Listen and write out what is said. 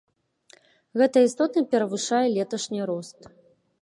Гэта істотна перавышае леташні рост.